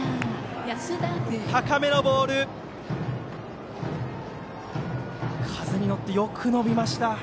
高めのボールが風に乗って、よく伸びました。